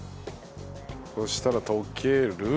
そしたら溶ける。